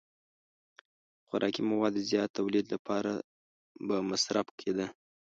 د خوراکي موادو زیات تولید لپاره به مصرف کېده.